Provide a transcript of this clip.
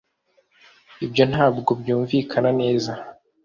Ibyo ntabwo byumvikana neza